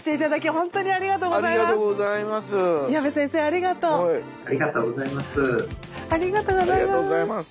ありがとうございます。